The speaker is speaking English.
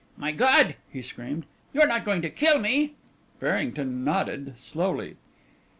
"My God," he screamed, "you are not going to kill me?" Farrington nodded slowly.